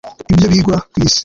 ibyo bigwa ku isi